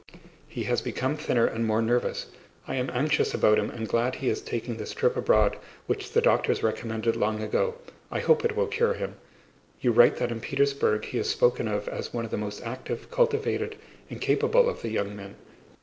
He has become thinner and more nervous. I am anxious about him and glad he is taking this trip abroad which the doctors recommended long ago. I hope it will cure him. You write that in Petersburg he is spoken of as one of the most active, cultivated, and capable of the young men.